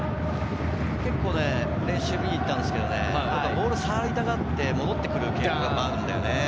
練習を見に行ったんですけれど、ボールに触りたがって、戻ってくる傾向があるんだよね。